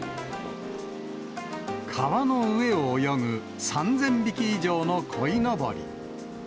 川の上を泳ぐ３０００匹以上のこいのぼり。